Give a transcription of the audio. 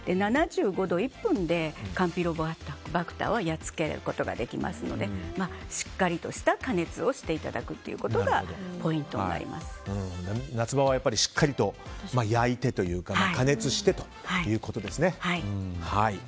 ７５度、１分でカンピロバクターはやっつけることができますのでしっかりとした加熱をしていただくことが夏場はやっぱりしっかりと焼いてというか加熱してということですね。